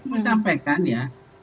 saya cuma sampaikan ya